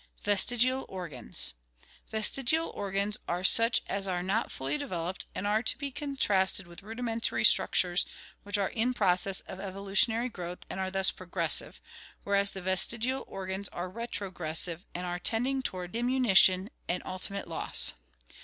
Vestigial Organs. — Vestigial organs are such as are not fully developed, and are to be contrasted with rudimentary structures which are in process of evolutionary growth and thus are progressive, whereas the vestigial organs are retrogressive and are tending toward diminution and ulti mate loss.